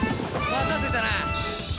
待たせたな。